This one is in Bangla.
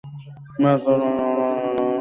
মেস, তোমার কাছের লোকের কাছে ড্রাইভ আছে।